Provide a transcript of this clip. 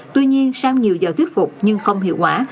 tuy nhiên sau nhiều giờ thuyết phục nhưng không hiệu quả